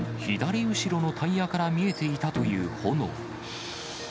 左後ろのタイヤから見えていたという炎。